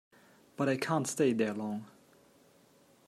But I can’t stay there long.